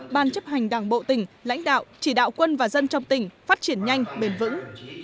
ban chấp hành đảng bộ tỉnh lãnh đạo chỉ đạo quân và dân trong tỉnh phát triển nhanh bền vững